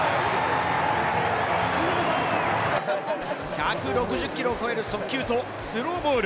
１６０キロを超える速球とスローボール。